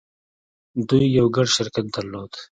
دوی يو ګډ شرکت درلود.